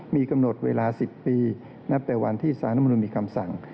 มีกำหนดเวลา๑๐ปีนับแต่วันที่สารรัฐมนุนมีคำสั่ง